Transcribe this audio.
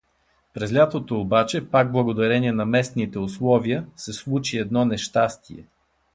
През лятото обаче, пак благодарение на местните условия, се случи едно нещастие.